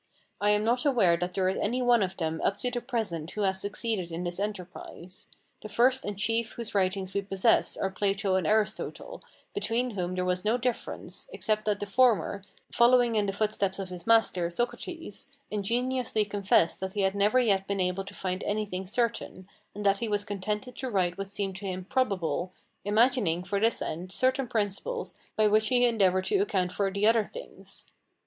I am not aware that there is any one of them up to the present who has succeeded in this enterprise. The first and chief whose writings we possess are Plato and Aristotle, between whom there was no difference, except that the former, following in the footsteps of his master, Socrates, ingenuously confessed that he had never yet been able to find anything certain, and that he was contented to write what seemed to him probable, imagining, for this end, certain principles by which he endeavoured to account for the other things.